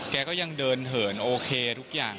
แกก็ยังเดินเหินโอเคทุกอย่าง